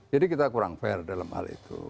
jadi kita kurang fair dalam hal itu